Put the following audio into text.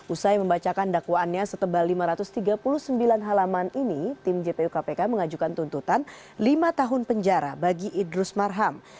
usai membacakan dakwaannya setebal lima ratus tiga puluh sembilan halaman ini tim jpu kpk mengajukan tuntutan lima tahun penjara bagi idrus marham